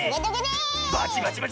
バチバチバチ！